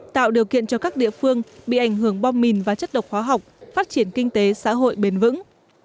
tạo điều kiện cho các địa phương bị ảnh hưởng bom mìn và chất độc hóa học phát triển kinh tế xã hội bền vững